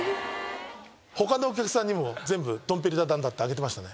他のお客さんにも全部ドンペリだ何だってあげてました。